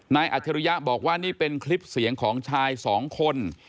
อัจฉริยะบอกว่านี่เป็นคลิปเสียงของชายสองคน